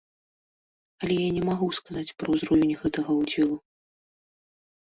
Але я не магу сказаць пра ўзровень гэтага ўдзелу.